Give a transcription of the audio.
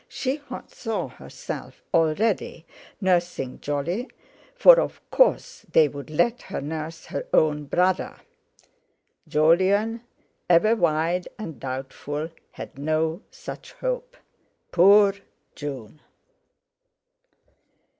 She saw herself already nursing Jolly—for of course they would let her nurse her own brother! Jolyon—ever wide and doubtful—had no such hope. Poor June!